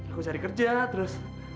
aku cari kerja terus